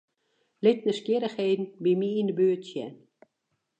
Lit nijsgjirrichheden by my yn 'e buert sjen.